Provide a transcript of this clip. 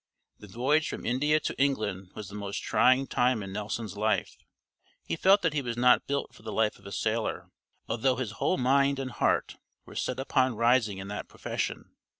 The voyage from India to England was the most trying time in Nelson's life. He felt that he was not built for the life of a sailor, although his whole mind and heart were set upon rising in that profession.